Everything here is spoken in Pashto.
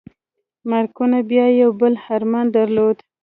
مارکوني بيا يو بل ارمان درلود.